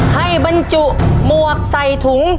บรรจุหมวกใส่ถุง